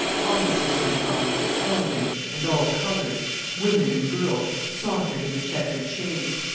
Officers went by, elegant and all coloured, women and girls sauntered in the chequered shade.